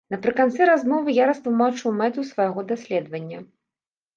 Напрыканцы размовы я растлумачыў мэту свайго даследавання.